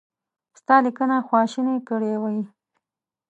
ستا لیکنه خواشینی کړی وي.